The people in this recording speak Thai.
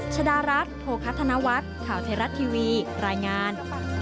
ชาดารัสโภคธนวัตรข่าวเทราสตร์ทีวีรายงาน